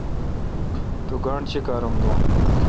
تو گاݨڈ چیکار ام دو۔